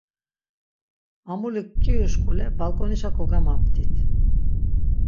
Mamulik ǩiyuşkule balǩonişa kogamaptit.